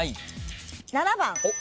７番。